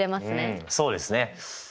うんそうですね。